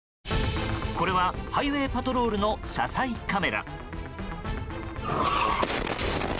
これは、ハイウェーパトロールの車載カメラ。